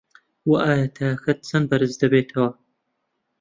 وه ئایا تاکەت چەندە بەرز دەبێتەوه